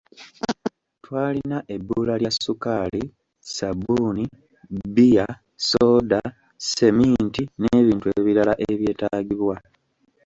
Twalina ebbula lya ssukaali, ssabbuuni, bbiya, sooda, sseminti n'ebintu ebirala ebyetaagibwa.